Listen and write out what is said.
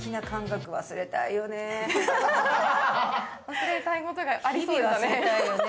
忘れたいことがありそうですね。